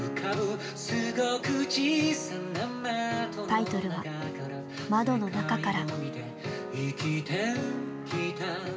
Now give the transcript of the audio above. タイトルは「窓の中から」。